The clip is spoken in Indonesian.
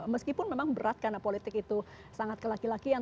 meskipun memang berat karena politik itu sangat kelaki lakian